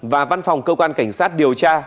và văn phòng cơ quan cảnh sát điều tra